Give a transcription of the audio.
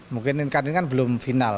mungkin ini kan belum final